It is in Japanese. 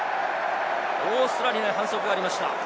オーストラリアに反則がありました。